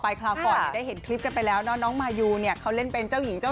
แล้วเข้ากับหลานได้อ้ำก็โอเค